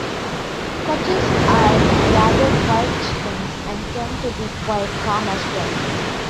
Cochins are rather quiet chickens, and tend to be quite calm as well.